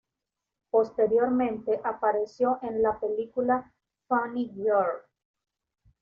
Posteriormente, apareció en la película Funny Girl.